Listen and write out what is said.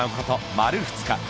丸２日。